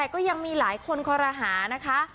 ก็ยังมีหลายคนคอรหานะคะ